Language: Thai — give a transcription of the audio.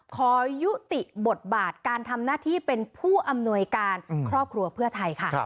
ขอยุติบทบาทการทำหน้าที่เป็นผู้อำนวยการครอบครัวเพื่อไทยค่ะ